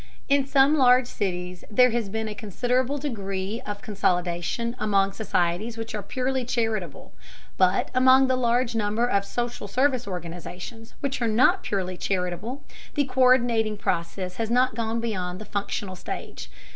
In some large cities there has been a considerable degree of consolidation among societies which are purely charitable, but among the large number of social service organizations which are not purely charitable, the co÷rdinating process has not gone beyond the functional stage.